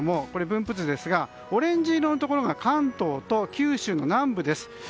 これは分布図ですがオレンジ色のところが関東と九州南部です。